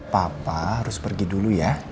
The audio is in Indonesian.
papa harus pergi dulu ya